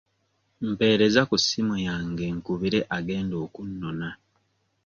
Mpeereza ku ssimu yange nkubira agenda okunnona.